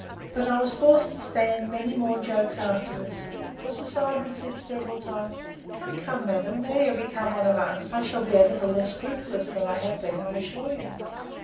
But I was forced to stand many more jokes afterwards: For Sir Simon said, several times, Come, come, madam, now you are become one of us, I shall be a little less scrupulous than I have been, I'll assure you.